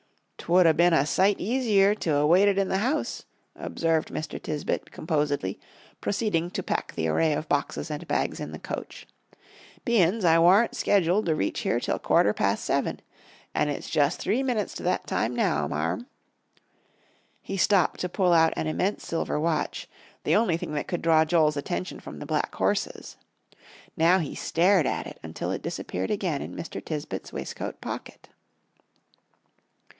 "'Twould 'a' been a sight easier to 'a' waited in th' house," observed Mr. Tisbett, composedly, proceeding to pack the array of boxes and bags in the coach, "bein's I warn't schedooled to reach here till quarter past seven. And it's just three minutes to that time now, Marm." He stopped to pull out an immense silver watch, the only thing that could draw Joel's attention from the black horses. Now he stared at it until it disappeared again in Mr. Tisbett's waistcoat pocket.